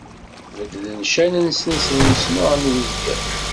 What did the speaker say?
Beddlen ccan-nsen s lmeṣnuɛ n uzger.